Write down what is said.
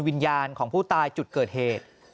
ดักวิถีมาจากวินยานของผู้ตายจุดเกิดเหตุ